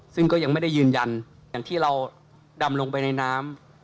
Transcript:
ซึ่งก็ยังไม่ได้ยืนยันอย่างที่เราดำลงไปในน้ำ